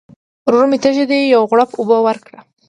ورور مي تږی دی ، یو غوړپ اوبه ورکړه !